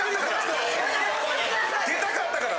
出たかったら！